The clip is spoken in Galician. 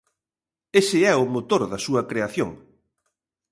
Ese é o motor da súa creación.